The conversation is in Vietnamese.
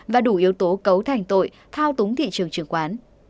và đủ yếu tố cấu thành tội thao túng thị trường chứng khoán